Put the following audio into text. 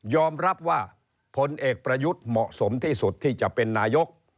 รับว่าผลเอกประยุทธ์เหมาะสมที่สุดที่จะเป็นนายก